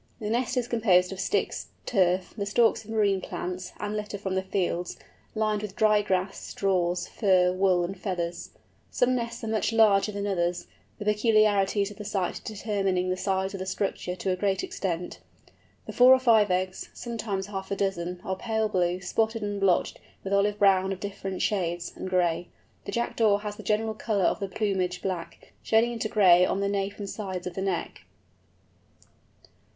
The nest is composed of sticks, turf, the stalks of marine plants, and litter from the fields, lined with dry grass, straws, fur, wool, and feathers. Some nests are much larger than others, the peculiarities of the site determining the size of the structure to a great extent. The four or five eggs—sometimes half a dozen—are pale blue, spotted and blotched with olive brown of different shades, and gray. The Jackdaw has the general colour of the plumage black, shading into gray on the nape and sides of the neck.